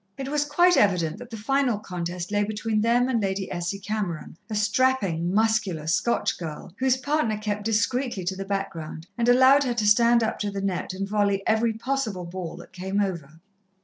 It was quite evident that the final contest lay between them and Lady Essie Cameron, a strapping, muscular Scotch girl, whose partner kept discreetly to the background, and allowed her to stand up to the net and volley every possible ball that came over.